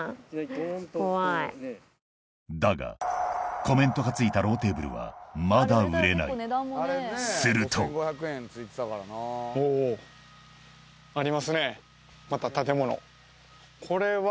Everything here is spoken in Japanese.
だがコメントが付いたローテーブルはまだ売れないするとおぉありますねまた建物。